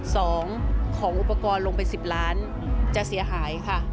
ของอุปกรณ์ลงไปสิบล้านจะเสียหายค่ะ